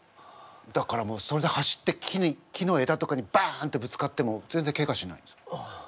だからもうそれで走って木に木のえだとかにバンってぶつかっても全然ケガしないんですよ。